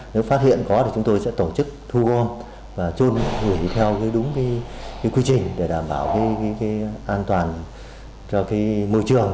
nếu phát hiện có thì chúng tôi sẽ tổ chức thu gom và trôn hủy theo đúng quy trình để đảm bảo an toàn cho môi trường